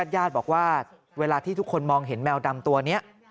ญาติบอกว่าเวลาที่ทุกคนมองเห็นแมวดำตัวนี้